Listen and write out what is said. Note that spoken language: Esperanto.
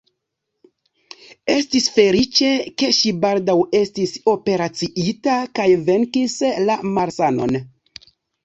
Estis feliĉe, ke ŝi baldaŭ estis operaciita kaj venkis la malsanon.